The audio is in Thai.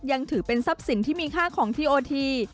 ยังถือเป็นทรัพย์สินที่มีค่าของทีโอที